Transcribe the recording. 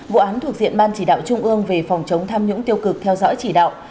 vụ án thuộc diện ban chỉ đạo trung ương về phòng chống tham nhũng tiêu cực theo dõi chỉ đạo